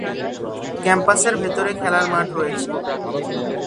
Campus এর ভেতরে খেলার মাঠ রয়েছে।